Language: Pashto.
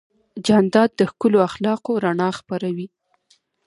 جانداد د ښکلو اخلاقو رڼا خپروي.